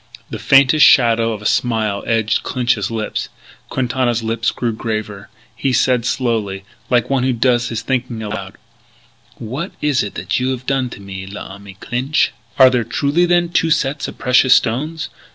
The faintest shadow of a smile edged Clinch's lips. Quintana's lips grew graver. He said slowly, like one who does his thinking aloud: "What is it you have done to me, l'ami Clinch?... Are there truly then two sets of precious stones?